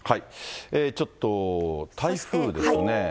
ちょっと台風ですね。